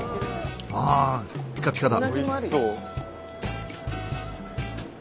ああピカピカだ。